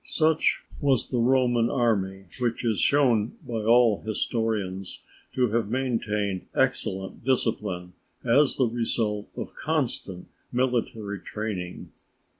Such was the Roman army, which is shown by all historians to have maintained excellent discipline as the result of constant military training.